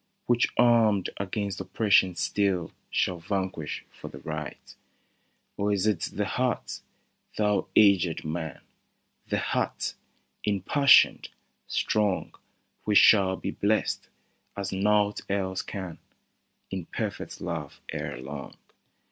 Which armed against oppression still Shall vanquish for the right ?" Or is it the heart, thou aged man !— The heart, impassioned, strong — Which shall be blest, as naught else can, In perfect love ere long